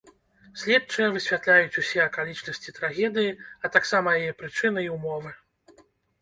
Следчыя высвятляюць усе акалічнасці трагедыі, а таксама яе прычыны і ўмовы.